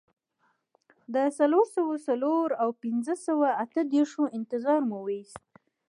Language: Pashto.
د څلور سوه څلور او پنځه سوه اته دیرشو انتظار مو وېست.